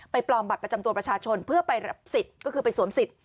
ปลอมบัตรประจำตัวประชาชนเพื่อไปรับสิทธิ์ก็คือไปสวมสิทธิ